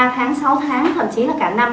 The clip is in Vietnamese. ba tháng sáu tháng thậm chí là cả năm